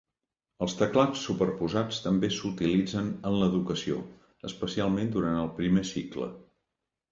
Els teclats superposats també s'utilitzen en l'educació, especialment durant el primer cicle.